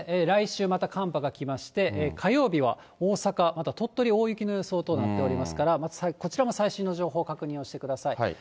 来週また寒波が来まして、火曜日は大阪、また鳥取、大雪の予想となっていますから、こちらも最新の情報、確認をしてください。